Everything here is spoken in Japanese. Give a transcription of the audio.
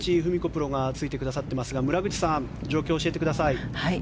プロがついてくださっていますが村口さん状況を教えてください。